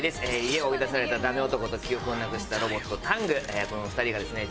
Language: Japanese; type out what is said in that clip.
家を追い出されたダメ男と記憶をなくしたロボットタングこの２人がですね